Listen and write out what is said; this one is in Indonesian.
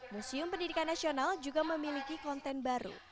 museum pendidikan nasional juga memiliki konten baru